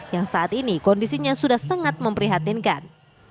yang saat ini kondisinya sudah sangat memprihatinkan